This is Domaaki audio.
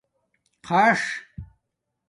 خَݽ